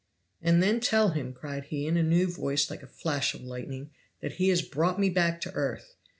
"And then tell him," cried he, in a new voice like a flash of lightning, "that he has brought me back to earth.